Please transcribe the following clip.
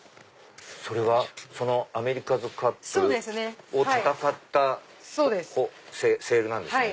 それがアメリカズカップを戦ったセールなんですね。